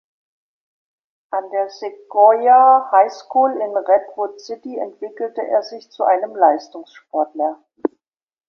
An der "Sequoiah High School" in Redwood City entwickelte er sich zu einem Leistungssportler.